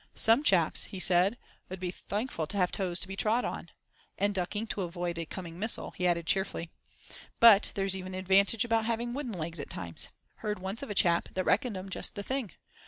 "Some chaps," he said, "'ud be thankful to have toes to be trod on"; and ducking to avoid a coming missile, he added cheerfully, "But there's even an advantage about having wooden legs at times. Heard once of a chap that reckoned 'em just the thing.